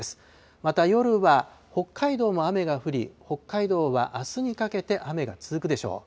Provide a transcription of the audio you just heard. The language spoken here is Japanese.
また夜は、北海道も雨が降り、北海道はあすにかけて、雨が続くでしょう。